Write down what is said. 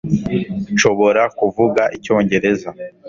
Nshobora kuvuga Icyongereza